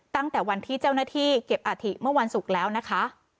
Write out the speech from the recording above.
ตั้งแต่วันที่เจ้าหน้าที่เก็บอาถิเมื่อวันศุกร์แล้วนะคะ